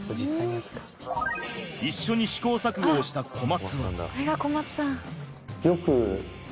一緒に試行錯誤をした小松。